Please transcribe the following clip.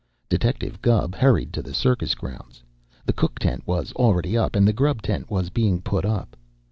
Detective Gubb hurried to the circus grounds. The cook tent was already up, and the grub tent was being put up.